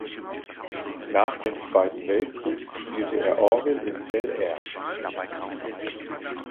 Nach dem Zweiten Weltkrieg spielte er Orgel im Belair.